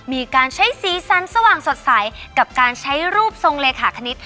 มีการใช้สีสันสว่างสดใสกับการใช้รูปทรงเลขาคณิต